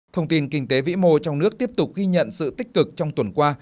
thông tin kinh tế vĩ mô trong nước tiếp tục ghi nhận sự tích cực trong tuần qua